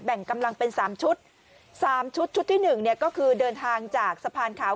แบ่งกำลังเป็น๓ชุด๓ชุดชุดที่๑เนี่ยก็คือเดินทางจากสะพานขาว